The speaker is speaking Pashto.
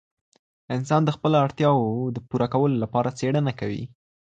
انسان د خپلو اړتیاوو د پوره کولو لپاره څېړنه کوي.